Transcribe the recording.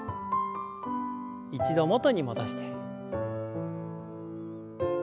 一度元に戻して。